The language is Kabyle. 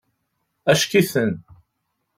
Acek-iten.